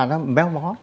nó méo mó